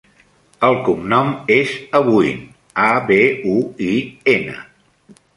El cognom és Abuin: a, be, u, i, ena.